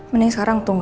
mending sekarang tunggu